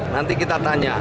nanti kita tanya